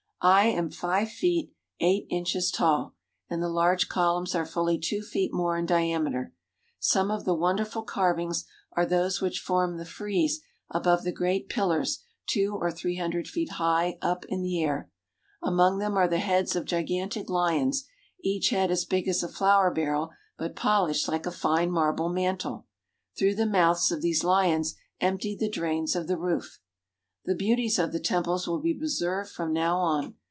I am five feet eight inches tall and the large columns are fully two feet more in diameter. Some of the wonderful carvings are those which form the frieze above the great pillars two or three hundred feet high up in the air. Among them are the heads of gigantic lions, each head as big as a flour barrel but polished like a fine marble mantel. Through the mouths of these lions emptied the drains of the roof. The beauties of the temples will be preserved from now on.